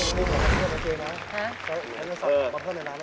ขอโทษนะเจ๊นะขอโทษนะเจ๊นะนะ